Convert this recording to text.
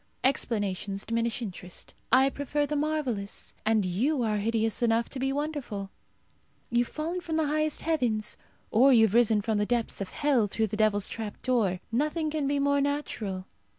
Explanations diminish interest. I prefer the marvellous, and you are hideous enough to be wonderful. You have fallen from the highest heavens, or you have risen from the depths of hell through the devil's trap door. Nothing can be more natural.